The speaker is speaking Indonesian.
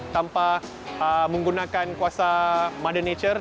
tanpa menggunakan kuasa mode nature